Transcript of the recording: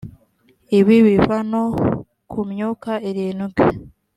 ibi biva no ku myuka irindwi